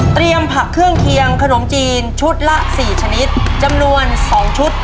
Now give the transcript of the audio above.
เตรียมผักเครื่องเคียงขนมจีนชุดละสี่ชนิดจำนวนสองชุด